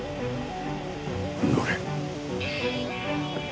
乗れ。